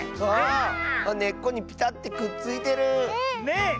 あねっこにピタッてくっついてる！ね！